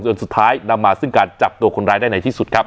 สุดท้ายนำมาซึ่งการจับตัวคนร้ายได้ในที่สุดครับ